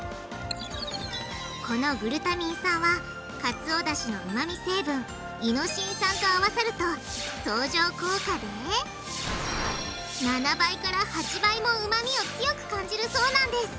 このグルタミン酸はカツオダシのうまみ成分イノシン酸と合わさると相乗効果で７８倍もうまみを強く感じるそうなんです！